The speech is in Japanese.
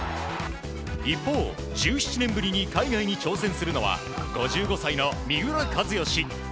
一方、１７年ぶりに海外に挑戦するのは５５歳の三浦知良。